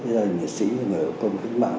già đình liệt sĩ người có công kết mạng